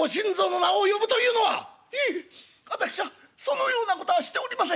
「いいえ私はそのようなことはしておりません」。